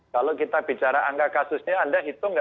kalau kita bicara angka kasusnya anda hitung